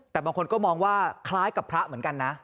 แต่บางคนก็มองว่าคล้ายกับพระเหมือนกันนะ